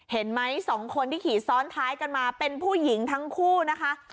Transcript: เห็นไหมสองคนที่ขี่ซ้อนท้ายกันมาเป็นผู้หญิงทั้งคู่นะคะ